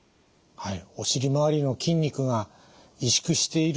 はい。